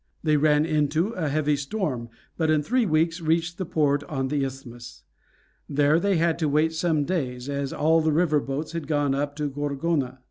They ran into a heavy storm, but in three weeks reached the port on the Isthmus. There they had to wait some days, as all the river boats had gone up to Gorgona.